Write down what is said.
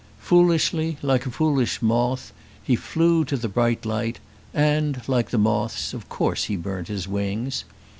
Foolishly, like a foolish moth, he flew to the bright light, and, like the moths, of course he burnt his wings.